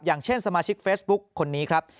อย่างเช่นสมาชิกเฟซบุ๊คคนนี้ครับ